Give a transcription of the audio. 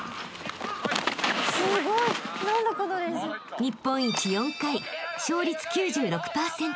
［日本一４回勝率９６％